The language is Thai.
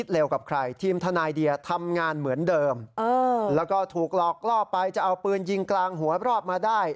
แล้วก็ถูกหลอกรอบไปจะเอาปืนยิงกลางหัวรอบมาได้